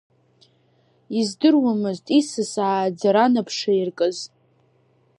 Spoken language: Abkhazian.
Издыруамызт исыс ааӡара нап шаиркышаз.